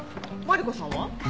マリコさんは？